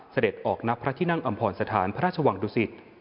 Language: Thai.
เสด็จออกนับพระที่นั่งอำพรสถานพระราชวังดุสิต